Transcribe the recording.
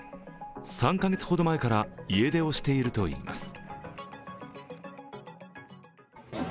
３カ月ほど前から家出をしているといいます。